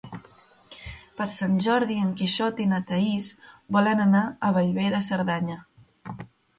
Per Sant Jordi en Quixot i na Thaís volen anar a Bellver de Cerdanya.